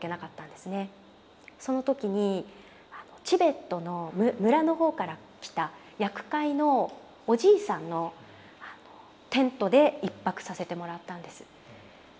その時にチベットの村の方から来たヤク飼いのおじいさんのテントで１泊させてもらったんです。